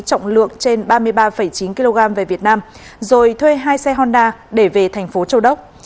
trọng lượng trên ba mươi ba chín kg về việt nam rồi thuê hai xe honda để về thành phố châu đốc